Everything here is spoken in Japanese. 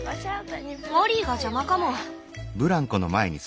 モリーが邪魔かも。